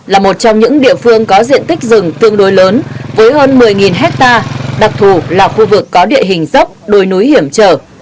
là một trong những địa phương có diện tích rừng tương đối lớn với hơn một mươi hectare đặc thù là khu vực có địa hình dốc đồi núi hiểm trở